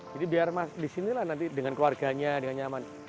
jadi biar di sini lah nanti dengan keluarganya dengan nyaman